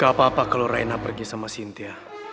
gak apa apa kalau raina pergi sama sintia